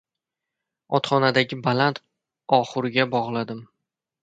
Otxonadagi baland oxurga bog‘ladim.